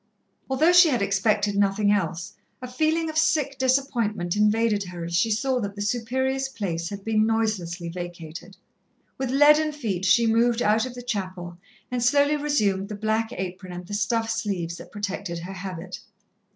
Although she had expected nothing else, a feeling of sick disappointment invaded her as she saw that the Superior's place had been noiselessly vacated. With leaden feet, she moved out of the chapel and slowly resumed the black apron and the stuff sleeves that protected her habit.